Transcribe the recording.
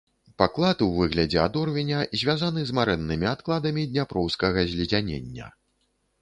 Паклад у выглядзе адорвеня звязаны з марэннымі адкладамі дняпроўскага зледзянення.